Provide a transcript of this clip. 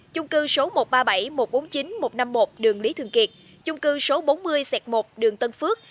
chung cư số một trăm ba mươi bảy một trăm bốn mươi chín một trăm năm mươi một đường lý thường kiệt chung cư số bốn mươi một đường tân phước